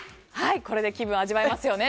これで気分を味わえますよね。